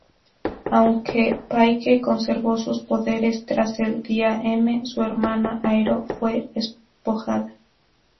Aunque Paige conservó sus poderes tras el '"Día-M", su hermana Aero fue despojada.